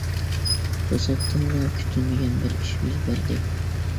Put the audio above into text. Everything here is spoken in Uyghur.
توساتتىنلا كۈتۈلمىگەن بىر ئىش يۈز بەردى.